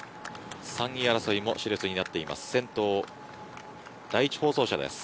３位争いもし烈になっています先頭。